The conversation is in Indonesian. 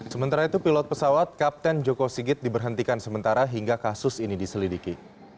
sementara itu pilot pesawat kapten joko sigit diberhentikan sementara hingga kasus ini diselidiki